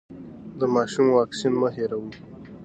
د ماشوم واکسین مه هېروئ.